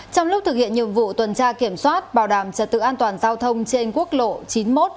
trong lúc thực hiện nhiệm vụ tuần tra kiểm soát bảo đảm trật tự an toàn giao thông trên quốc lộ chín mươi một